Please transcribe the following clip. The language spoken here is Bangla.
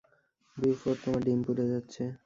বিউফোর্ড, তোমার ডিম পুড়ে যাচ্ছে।